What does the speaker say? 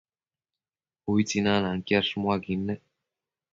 Ubi tsinanacquiash muaquid nec